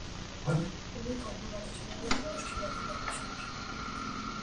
Ունի կարբոնաթթուներին բնորոշ քիմիական հատկություններ։